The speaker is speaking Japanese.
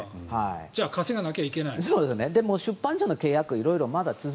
じゃあ稼がなきゃいけない。